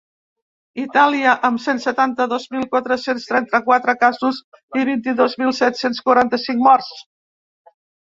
Itàlia, amb cent setanta-dos mil quatre-cents trenta-quatre casos i vint-i-dos mil set-cents quaranta-cinc morts.